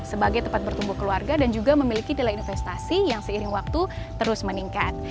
sebagai tempat bertumbuh keluarga dan juga memiliki nilai investasi yang seiring waktu terus meningkat